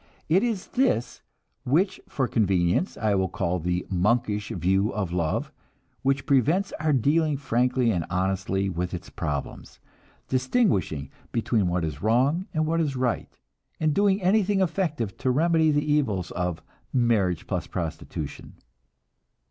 It is this, which for convenience I will call the "monkish" view of love, which prevents our dealing frankly and honestly with its problems, distinguishing between what is wrong and what is right, and doing anything effective to remedy the evils of marriage plus prostitution.